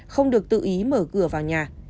không được tự ý mở cửa vào nhà